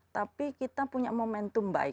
tapi kita punya momentum baik